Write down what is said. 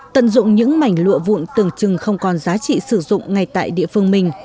tận dụng những mảnh lụa vụn tưởng chừng không còn giá trị sử dụng ngay tại địa phương mình